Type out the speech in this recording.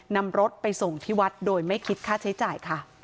นำรถไปส่งที่วัดโดยไม่คิดค่าใช้จ่ายค่ะ